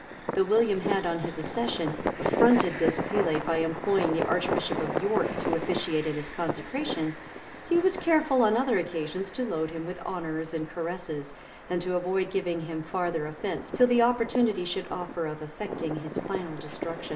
[] Though William had, on his accession, affronted this prelate by employing the archbishop of York to officiate at his consecration, he was careful, on other occasions, to load him with honors and caresses, and to avoid giving him farther offence till the opportunity should offer of effecting his final destruction.